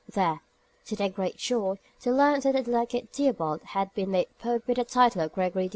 There, to their great joy, they learnt that the legate Theobald had just been made Pope with the title of Gregory X.